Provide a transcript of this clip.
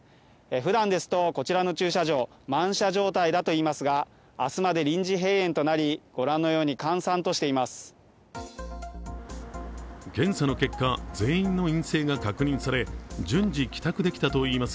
ふだんですとこちらの駐車場、満車状態だといいますが、明日まで臨時閉園となり御覧のように閑散としています。